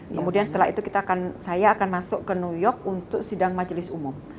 kemudian setelah itu saya akan masuk ke new york untuk sidang majelis umum